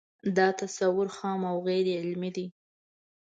دا تصور خام او غیر علمي دی